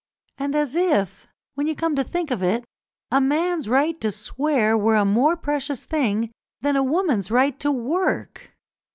And as if, when you come to think of it, a man's right to swear were a more precious thing than a woman's right to work!